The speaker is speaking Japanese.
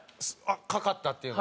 かかったっていうの。